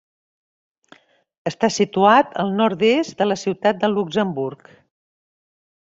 Està situat al nord-est de la ciutat de Luxemburg.